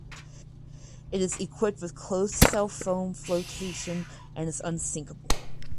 It is equipped with closed cell foam flotation and is unsinkable.